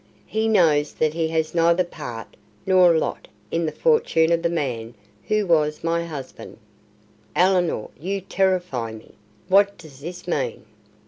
"He knows that he has neither part nor lot in the fortune of the man who was my husband." "Ellinor, you terrify me. What does this mean?"